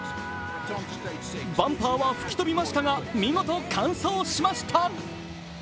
バンパーは吹き飛びましたが、見事、完走しました。